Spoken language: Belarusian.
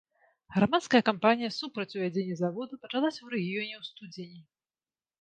Грамадская кампанія супраць узвядзення завода пачалася ў рэгіёне ў студзені.